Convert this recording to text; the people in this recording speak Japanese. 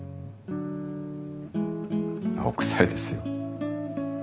青くさいですよ。